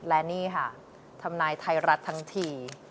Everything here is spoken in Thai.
และนี่ค่ะทำนายไทยรัฐทั้งที